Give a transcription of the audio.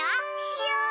しよう！